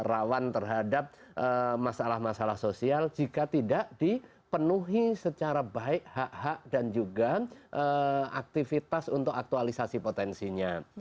rawan terhadap masalah masalah sosial jika tidak dipenuhi secara baik hak hak dan juga aktivitas untuk aktualisasi potensinya